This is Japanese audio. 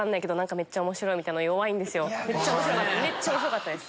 めっちゃ面白かったです。